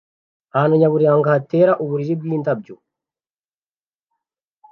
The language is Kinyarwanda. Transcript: Ahantu nyaburanga hatera uburiri bwindabyo